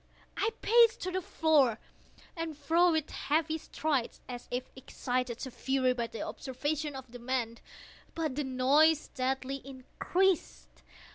I paced the floor to and fro with heavy strides, as if excited to fury by the observations of the men—but the noise steadily increased.